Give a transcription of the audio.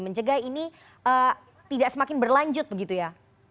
mencegah ini tidak semakin berlanjut begitu ya